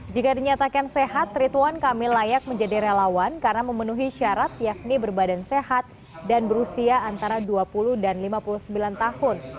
jika dinyatakan sehat rituan kamil layak menjadi relawan karena memenuhi syarat yakni berbadan sehat dan berusia antara dua puluh dan lima puluh sembilan tahun